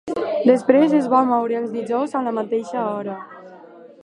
Després es va moure als dijous a la mateixa hora.